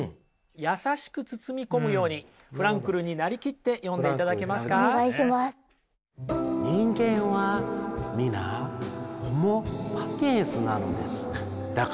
優しく包み込むようにフランクルになりきって読んでいただけますか？